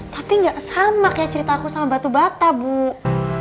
tapi gak sama kayak cerita aku sama batu bata bu